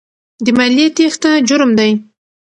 د مالیې تېښته جرم دی.